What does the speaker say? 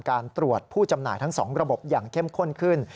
การตรวจผู้จำหน่ายทั้ง๒ระบบอย่างเข้มข้นขึ้น